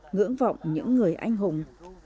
ngưỡng vọng những người anh hùng